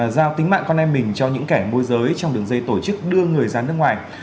giao tính mạng con em mình cho những kẻ môi giới trong đường dây tổ chức đưa người ra nước ngoài